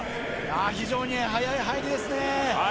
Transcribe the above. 非常に早い入りですね。